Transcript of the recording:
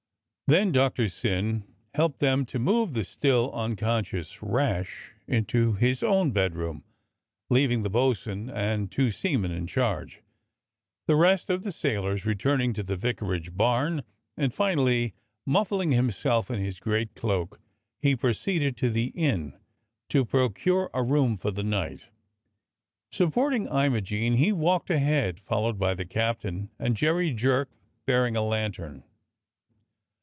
128 DOCTOR SYN Then Doctor Syn helped them to move the still un conscious Rash into his own bedroom, leaving the bo' sun and two seamen in charge, the rest of the sailors returning to the vicarage barn; and finally muffling himself in his great cloak he proceeded to the inn to procure a room for the night. Supporting Imogene, he walked ahead, followed by the captain and Jerry Jerk bearing a lantern.